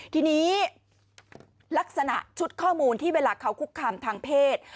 ทีนี้ลักษณะชุดข้อมูลที่เวลาเขาคุกคามทางเพศ